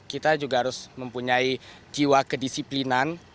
kita juga harus mempunyai jiwa kedisiplinan